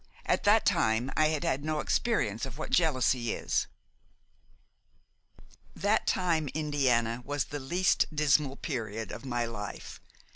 At that time I had had no experience of what jealousy is. "That time, Indiana, was the least dismal period of my life.